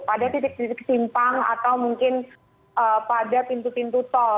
pada titik titik simpang atau mungkin pada pintu pintu tol